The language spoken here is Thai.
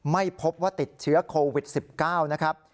ไม่พบว่าติดเชื้อโควิด๑๙นะครับ